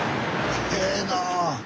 ええなあ！